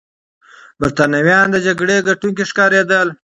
برتانويان د جګړې ګټونکي ښکارېدل.